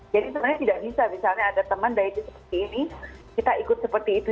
jadi sebenarnya tidak bisa misalnya ada teman dietnya seperti ini kita ikut seperti itu